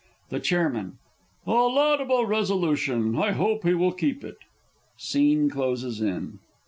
The Ch. A very laudable resolution! I hope he will keep it. [_Scene closes in.